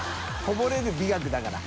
こぼれる美学だから。